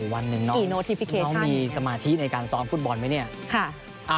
วันหนึ่งน้องมีสมาธิในการซ้อมฟุตบอลไหมเนี่ยค่ะอีนโนทิฟิเคชั่น